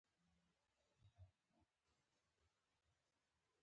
بادي انرژي د افغان تاریخ په ټولو کتابونو کې ذکر شوې.